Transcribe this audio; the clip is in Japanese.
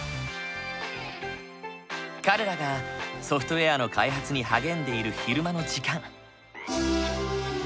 彼らがソフトウェアの開発に励んでいる昼間の時間。